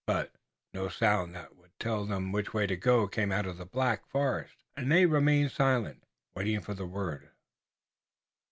But no sound that would tell them which way to go came out of this black forest, and they remained silent, waiting for the word.